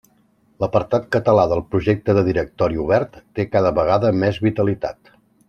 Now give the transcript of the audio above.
L'apartat català del Projecte de Directori Obert té cada vegada més vitalitat.